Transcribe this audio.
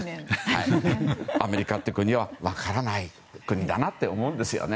アメリカっていう国は分からない国だなと思うんですよね。